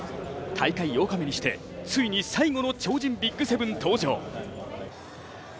大会８日目にして、ついに最後の超人ＢＩＧ７登場。